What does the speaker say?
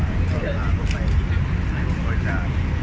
ก่อนไปที่จ้าน